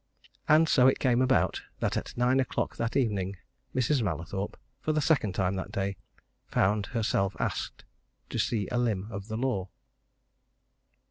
And so it came about that at nine o'clock that evening, Mrs. Mallathorpe, for the second time that day, found herself asked to see a limb of the law.